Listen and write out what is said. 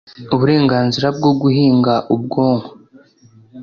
uburenganzira bwo guhinga ubwonko